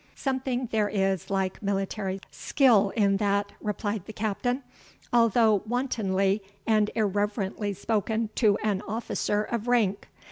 "Something there is like military skill in that," replied the Captain, "although wantonly and irreverently spoken to an officer of rank.